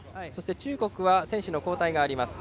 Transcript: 中国は選手の交代があります。